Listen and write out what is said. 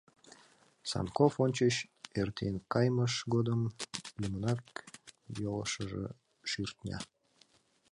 Санков ончыч эртен кайымыж годым лӱмынак йолешыже шӱртня.